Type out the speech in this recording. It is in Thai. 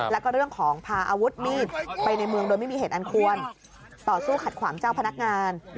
แล้วก็เรื่องของพาอาวุธมีดไปในเมืองโดยไม่มีเหตุอันควรต่อสู้ขัดขวางเจ้าพนักงาน